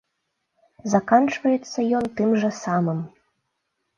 Заканчваецца ён тым жа самым.